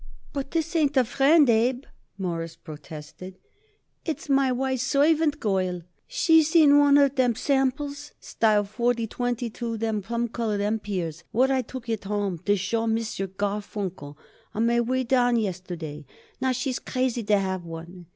"But this ain't a friend, Abe," Morris protested. "It's my wife's servant girl. She seen one of them samples, style forty twenty two, them plum color Empires what I took it home to show M. Garfunkel on my way down yesterday, and now she's crazy to have one.